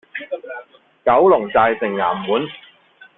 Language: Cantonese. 九龍寨城衙門